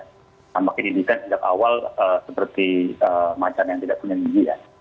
tampaknya didesain sejak awal seperti macan yang tidak punya gigi ya